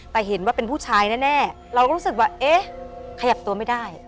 แต่เห็นว่าเป็นผู้ชายแน่เราก็รู้สึกว่าเอ๊ะขยับตัวไม่ได้